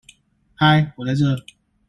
嗨我在這